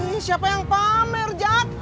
ini siapa yang pamer jak